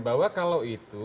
bahwa kalau itu